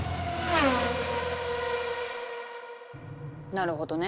なるほどね。